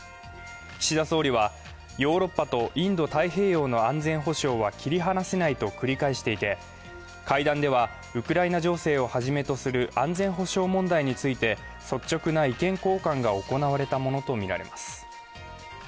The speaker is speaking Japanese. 岸田総理はヨーロッパとインド太平洋の安全保障は切り離せないと繰り返していて会談では、ウクライナ情勢をはじめとする安全保障問題について率直な意見交換が行われたものとみられます。